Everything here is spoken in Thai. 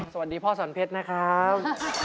สวัสดีพ่อสอนเพชรนะครับ